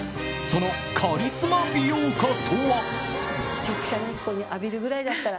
そのカリスマ美容家とは。